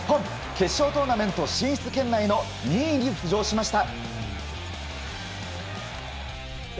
決勝トーナメント進出圏内の２位に浮上しました。